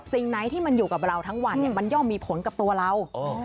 สิ่งไหนที่มันอยู่กับเราทั้งวันมันย่อมมีผลกับตัวเรา